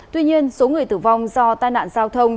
tuy nhiên số người tử vong do tai nạn giao thông